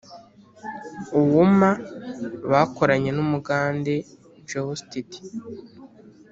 Owooma bakoranye n’Umugande Geosteady